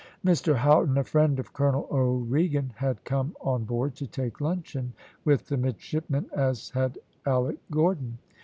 Mr Houghton, a friend of Colonel O'Regan, had come on board to take luncheon with the midshipmen, as had Alick Gordon.